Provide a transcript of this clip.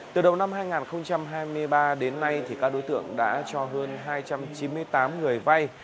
từ đầu năm hai nghìn hai mươi ba đến nay các đối tượng đã cho hơn hai trăm chín mươi tám người vay